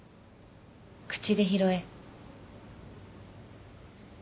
口で拾え